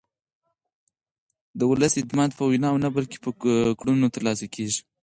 د ولس اعتماد په ویناوو نه بلکې په کړنو ترلاسه کېږي